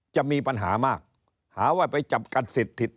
จะมีปัญหามากหาว่าไปจับกันสิทธิ